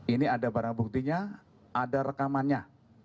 ini ada barang buktinya ada rekamannya